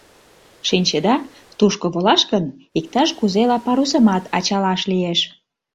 Шинчеда, тушко волаш гын, иктаж-кузела парусымат ачалаш лиеш.